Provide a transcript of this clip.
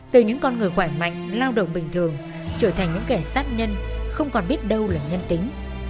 từ những con người ngoại mạnh lao động bình thường trở thành những kẻ sát nhân không còn biết đâu là nhân tính